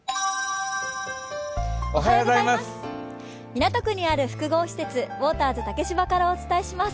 港区にある複合施設、ウォーターズ竹芝からお伝えします。